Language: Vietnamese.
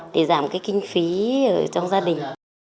để giảm cái kinh phí ở trong gia đình